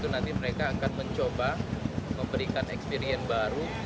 nanti mereka akan mencoba memberikan experience baru